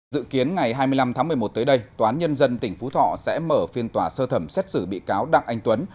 dự kiến ngày hai mươi năm tháng một mươi một tới đây toán nhân dân tỉnh phú thọ sẽ mở phiên tòa sơ thẩm xét xử bị cáo đặng anh tuấn